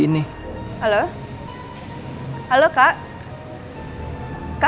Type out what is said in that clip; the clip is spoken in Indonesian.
an forwards memang ajaran mengerusak